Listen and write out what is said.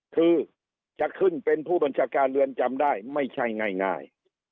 คือจะขึ้นเป็นผู้บัญชาการเรือนจำได้ไม่ใช่ง่าย